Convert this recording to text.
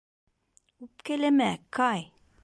Үпкәләмә, Кай.